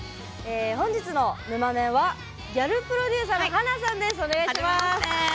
本日のぬまメンはギャルプロデューサーの華さんです。